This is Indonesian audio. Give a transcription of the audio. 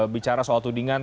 bicara soal tudingan